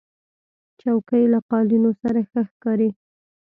چوکۍ له قالینو سره ښه ښکاري.